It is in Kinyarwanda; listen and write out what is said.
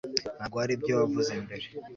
ntabwo aribyo wavuze mbere